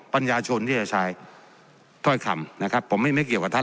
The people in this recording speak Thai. ประชาชนที่จะใช้ถ้อยคำนะครับผมไม่เกี่ยวกับท่าน